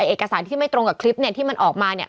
เอกสารที่ไม่ตรงกับคลิปเนี่ยที่มันออกมาเนี่ย